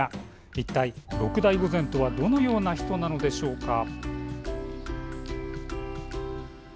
一体、六代御前とはどのような人なのでしょうか。